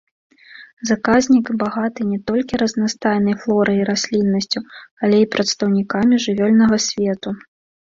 Заказнік багаты не толькі разнастайнай флорай і расліннасцю, але і прадстаўнікамі жывёльнага свету.